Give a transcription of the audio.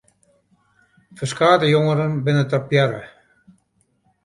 Ferskate jongeren binne trappearre.